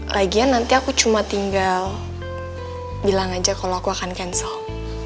lagian nanti aku cuma tinggal bilang aja kalau aku akan cancel